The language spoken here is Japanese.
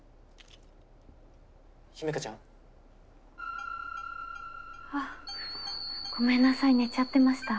ユメカちゃん？あごめんなさい寝ちゃってました。